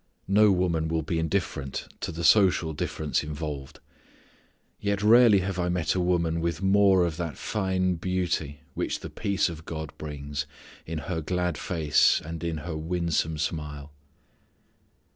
No woman will be indifferent to the social difference involved. Yet rarely have I met a woman with more of that fine beauty which the peace of God brings, in her glad face, and in her winsome smile.